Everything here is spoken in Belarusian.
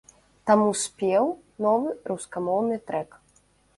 Таму спеў новы рускамоўны трэк.